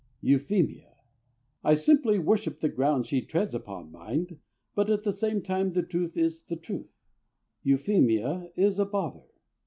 Euphemia. I simply worship the ground she treads upon, mind, but at the same time the truth is the truth. Euphemia is a bother.